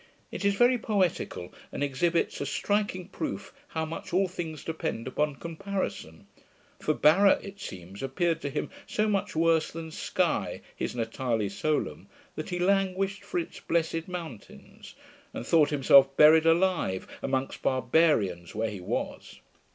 It is very poetical, and exhibits a striking proof how much all things depend upon comparison: for Barra, it seems, appeared to him so much worse than Sky, his natale solum, that he languished for its 'blessed mountains', and thought himself buried alive amongst barbarians where he was.